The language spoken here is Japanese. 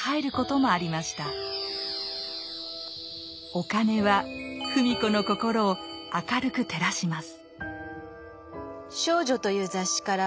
お金は芙美子の心を明るく照らします。